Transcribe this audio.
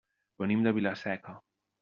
Venim de Vila-seca.